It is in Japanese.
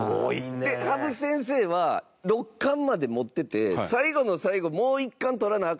高橋：羽生先生は六冠まで持ってて、最後の最後もう一冠とらなア